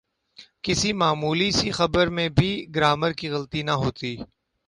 کسی معمولی سی خبر میں بھی گرائمر کی غلطی نہ ہوتی۔